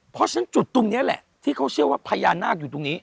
เพราะฉะนั้นจุดตรงนี้แหละที่เขาเชื่อว่าพญานาคอยู่ตรงนี้